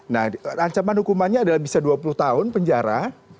nah ancaman hukumannya adalah bisa dua puluh tahun penjara